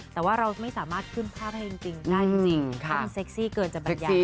แต่ว่าเราไม่สามารถขึ้นภาพให้จริงได้จริงถ้ามันเซ็กซี่เกินจะบรรยาย